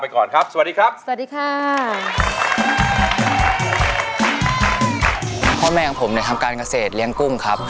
พ่อแม่ของผมทำการเกษตรเลี้ยงกุ้งครับ